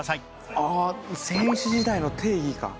ああ先史時代の定義か。